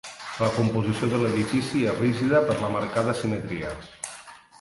La composició de l'edifici és rígida per la marcada simetria.